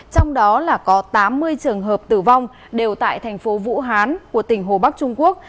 trong đó là có tám mươi trường hợp tử vong đều tại thành phố vũ hán của tỉnh hồ bắc trung quốc